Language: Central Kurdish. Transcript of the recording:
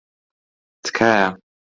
تکایە.